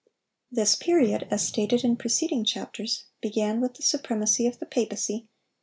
This period, as stated in preceding chapters, began with the supremacy of the papacy, A.